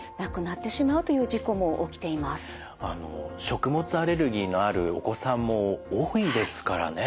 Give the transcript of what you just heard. あの食物アレルギーのあるお子さんも多いですからね。